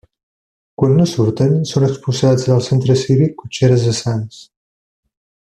Quan no surten, són exposats al centre cívic Cotxeres de Sants.